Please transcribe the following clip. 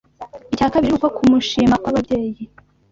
Icya kabiri ni uko kumushima kw’ababyeyi